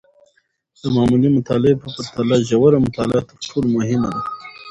د معمولي مطالعې په پرتله، ژوره مطالعه تر ټولو مهمه ده.